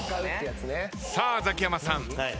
さあザキヤマさん。